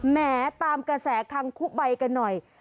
แม้ตามกระแสคังคุใบกันหน่อย